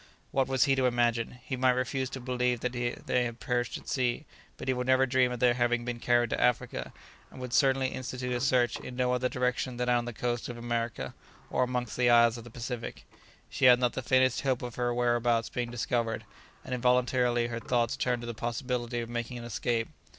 What was he to imagine? he might refuse to believe that they had perished at sea, but he would never dream of their having been carried to Africa, and would certainly institute a search in no other direction than on the coast of America, or amongst the isles of the Pacific. She had not the faintest hope of her whereabouts being discovered, and involuntarily her thoughts turned to the possibility of making an escape.